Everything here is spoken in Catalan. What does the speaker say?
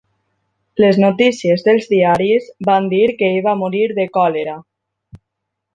Les notícies dels diaris van dir que ell va morir de còlera.